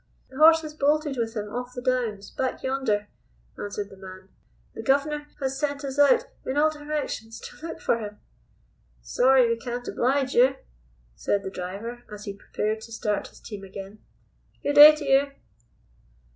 "The horse has bolted with him off the Downs, back yonder," answered the man. "The guv'nor has sent us out in all directions to look for him." "Sorry we can't oblige you," said the driver as he prepared to start his team again. "Good day to you."